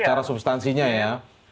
secara substansinya ya